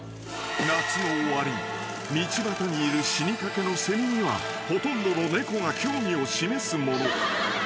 ［道端にいる死にかけのセミにはほとんどの猫が興味を示すもの］